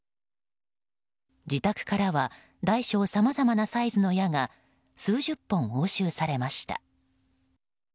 自宅からは大小さまざまなサイズの矢が数十本、押収されました。